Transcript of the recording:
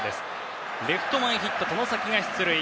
レフト前ヒット、外崎が出塁。